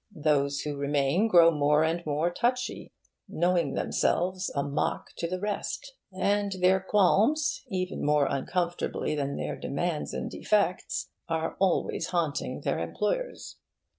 Those who remain grow more and more touchy, knowing themselves a mock to the rest; and their qualms, even more uncomfortably than their demands and defects, are always haunting their employers.